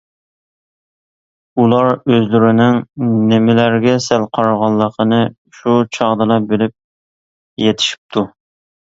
ئۇلار ئۆزلىرىنىڭ نېمىلەرگە سەل قارىغانلىقىنى شۇ چاغدىلا بىلىپ يېتىشىپتۇ.